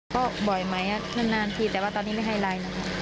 ก็บ่อยไหมนานทีแต่ว่าตอนนี้ไม่ให้ไลน์นะคะ